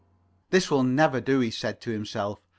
"This will never do," he said to himself.